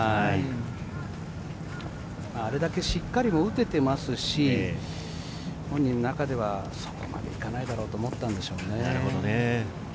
あれだけしっかり打てていますし、本人の中では、そこまで行かないだろうと思ったんでしょうね。